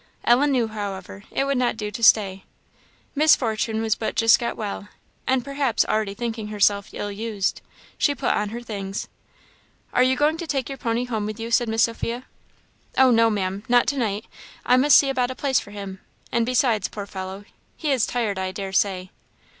Ellen knew, however, it would not do to stay; Miss Fortune was but just got well, and perhaps already thinking herself ill used. She put on her things. "Are you going to take your pony home with you?" said Miss Sophia. "Oh, no, Ma'am, not to night. I must see about a place for him; and, besides, poor fellow, he is tired, I dare say."